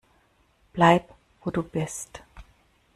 Bleib, wo du bist!